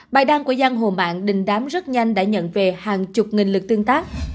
bài đăng của giang hồ mạng đình đám rất nhanh đã nhận về hàng chục nghìn lượt tương tác